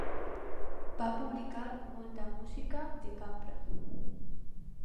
Va publicar molta música de cambra.